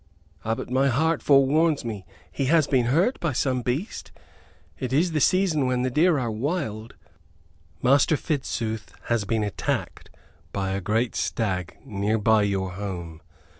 "Ah, but my heart forewarns me. He has been hurt by some beast? It is the season when the deer are wild." "Master Fitzooth has been attacked by a great stag near by your home.